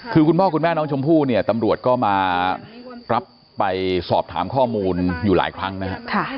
คือคุณพ่อคุณแม่น้องชมพู่เนี่ยตำรวจก็มารับไปสอบถามข้อมูลอยู่หลายครั้งนะฮะ